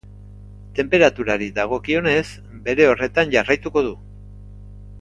Tenperaturari dagokionez, bere horretan jarraituko du.